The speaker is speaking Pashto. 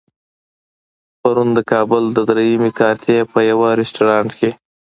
پرون د کابل د درېیمې کارتې په يوه رستورانت کې.